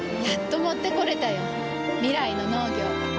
やっと持ってこれたよ。未来の農業。